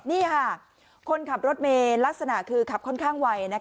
นี่ค่ะคนขับรถเมย์ลักษณะคือขับค่อนข้างไว